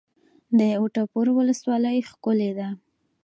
د وټه پور ولسوالۍ ښکلې ده